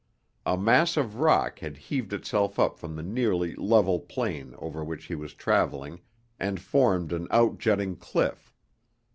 A mass of rock had heaved itself up from the nearly level plain over which he was traveling, and formed an outjutting cliff.